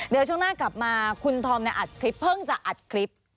เดี๋ยวช่วงหน้ากลับมาคุณธอมอัดคลิปเพิ่งจะอัดคลิป